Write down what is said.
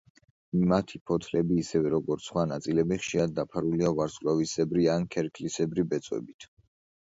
მათი ფოთლები, ისევე როგორც სხვა ნაწილები, ხშირად დაფარულია ვარსკვლავისებრი ან ქერქლისებრი ბეწვებით.